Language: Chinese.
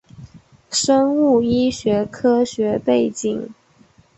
生物医学科学背景